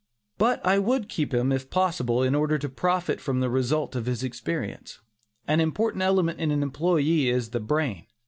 But I would keep him, if possible, in order to profit from the result of his experience. An important element in an employee is the brain.